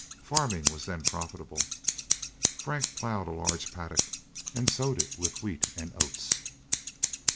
Farming was then profitable. Frank ploughed a large paddock and sowed it with wheat and oats.